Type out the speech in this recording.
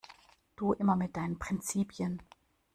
Du immer mit deinen Prinzipien!